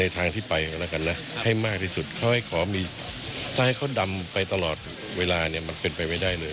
ถ้าให้เขาดำไปตลอดเวลาเนี่ยมันเป็นไปไม่ได้เลย